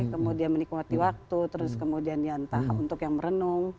kemudian menikmati waktu terus kemudian ya entah untuk yang merenung